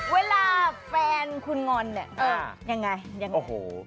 เวลาแฟนคุณงอนเนี่ยยังไงยังไง